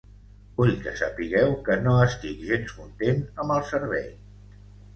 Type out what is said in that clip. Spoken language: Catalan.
Vull que sapigueu que no estic gens content amb el servei.